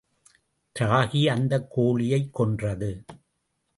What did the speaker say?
ராகி அந்தக் கோழியைக் கொன்றது.